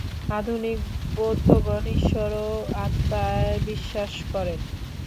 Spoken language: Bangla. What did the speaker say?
আধুনিক বৌদ্ধগণ ঈশ্বর ও আত্মায় বিশ্বাস করেন।